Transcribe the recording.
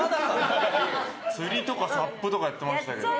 釣りとかサップとかやってましたけど。